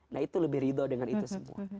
nah itu lebih ridho dengan itu semua